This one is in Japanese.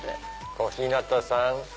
小日向さん。